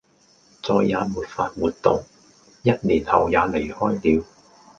再也沒法活動；一年後也離開了